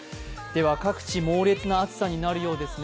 各地、猛烈な暑さになるようですね